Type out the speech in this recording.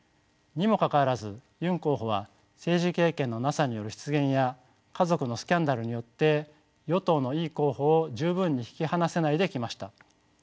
にもかかわらずユン候補は政治経験のなさによる失言や家族のスキャンダルによって与党のイ候補を十分に引き離せないできました。